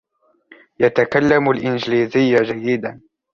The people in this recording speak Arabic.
يتكلم الإنجليزية جيدا.